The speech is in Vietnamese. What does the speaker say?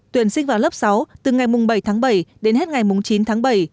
tuyển sinh vào lớp sáu từ ngày mùng bảy tháng bảy đến hết ngày mùng chín tháng bảy